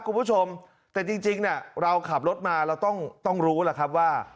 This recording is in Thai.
คุณผู้ชมแต่จริงเราขับรถมาเราต้องรู้ล่ะครับว่า